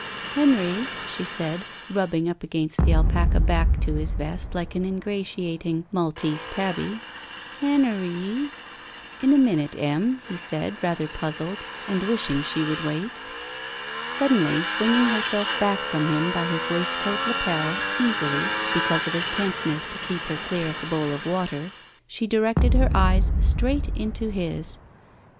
Henry," she said, rubbing up against the alpaca back to his vest like an ingratiating Maltese tabby, *'Hen eiy." In a minute, Em," he said, rather puzzled and wishing she would wait. Suddenly, swinging herself back from him by his waistcoat lapel, easily, because of his tenseness to keep her clear of the bowl of water, she directed her eyes straight into his.